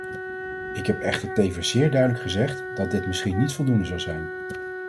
Ik heb echter tevens zeer duidelijk gezegd dat dit misschien niet voldoende zou zijn.